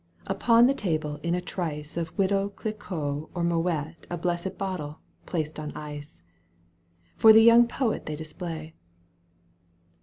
Upon the table in a trice Of widow Clicquot or Moet A blessed bottle, placed in ice, For the young poet they display.